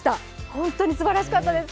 本当にすばらしかったです。